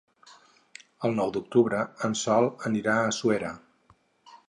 El nou d'octubre en Sol anirà a Suera.